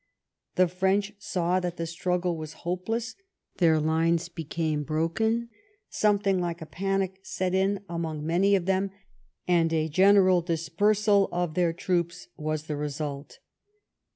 The French saw that the struggle was hopeless, their lines became broken, something like a panic set in among many of them, and a general dispersal of their troops was the result.